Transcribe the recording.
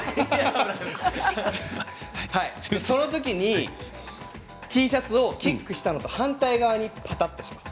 そのときにＴシャツをキックしたほうと反対側にぱたんとします。